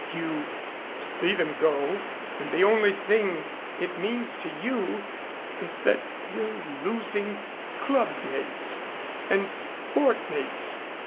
You see them go and the only thing it means to you is that you're losing club mates and sport mates.